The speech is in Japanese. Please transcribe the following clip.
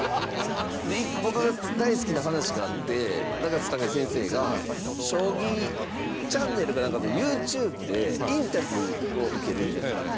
僕が大好きな話があって永瀬拓矢先生が将棋チャンネルかなんかのＹｏｕＴｕｂｅでインタビューを受けるみたいな。